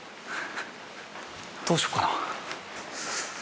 どうしようかな。